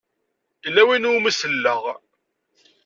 Yella wayen i wumi selleɣ.